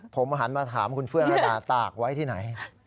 ผมหันมาถามคุณเฟื่องระดาตากไว้ที่ไหน